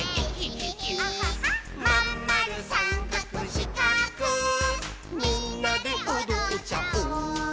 「まんまるさんかくしかくみんなでおどっちゃおう」